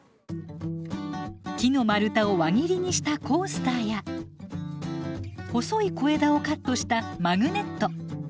木の丸太を輪切りにしたコースターや細い小枝をカットしたマグネット。